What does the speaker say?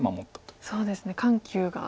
そうですね緩急が。